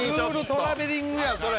トラベリングやんそれ